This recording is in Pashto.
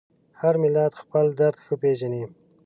هر ملت خپل درد ښه پېژني.